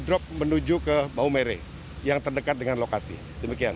drop menuju ke maumere yang terdekat dengan lokasi demikian